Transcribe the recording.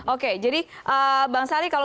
oke jadi bang sari kalau